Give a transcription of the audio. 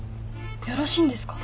よろしいんですか？